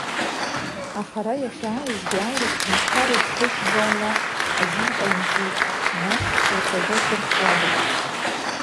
Аха ара иахьааизгьы аурыс ҳәынҭқар рыӡхыжьрала азин ҟаимҵеит, нас иахьага здырхуада.